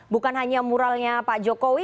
bukan hanya muralnya pak jokowi